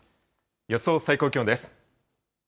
予想最高気温です。